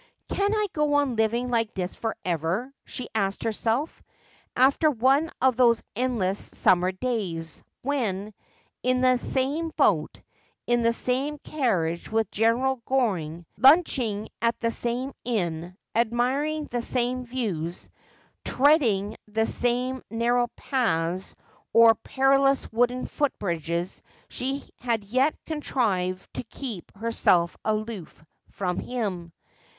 ' Can I go on living like this for ever?' she asked herself, after one of those endless summer days, when, in the same boat, in the same carriage with Gerald Goring, lunching at the same inn, admiring the same views, treading the same narrow paths or perilous wooden footbridges, she had jet contrived to keep her self aloof from him.